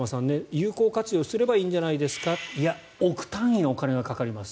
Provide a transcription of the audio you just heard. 有効活用すればいいんじゃないですかいや、億単位のお金がかかります